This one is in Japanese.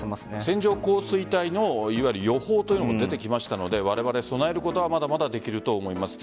線状降水帯の予報というのも出てきましたのでわれわれ備えることはまだまだできると思います。